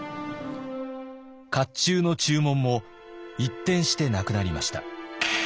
甲冑の注文も一転してなくなりました。